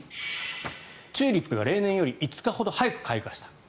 チューリップが例年より５日ほど早く開花した。